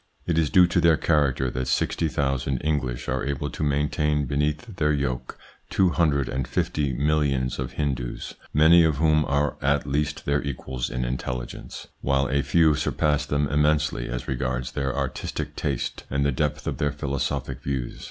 It is due to their character that sixty thousand English are able to maintain beneath their yoke two hundred and fifty millions of Hindoos, many of whom are at least their equals in intelligence, while a few surpass them immensely as regards their artistic taste and the depth of their philosophic views.